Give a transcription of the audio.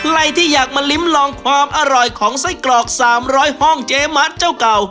ที่อยากมาลิ้มลองความอร่อยของไส้กรอก๓๐๐ห้องเจ๊มัดเจ้าเก่า